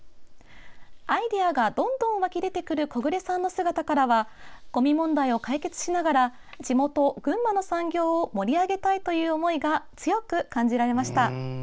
アイデアがどんどん湧き出てくる木榑さんの姿からはごみ問題を解決しながら地元・群馬の産業を盛り上げたいという思いが強く感じられました。